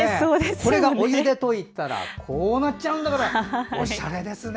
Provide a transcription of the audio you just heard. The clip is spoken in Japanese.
これがお湯で溶いたらこうなっちゃうんだからおしゃれですね。